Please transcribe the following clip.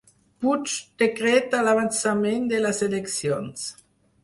Puig decreta l'avançament de les eleccions